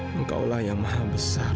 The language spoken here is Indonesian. tanpa hubungan ku malam ini tidak ada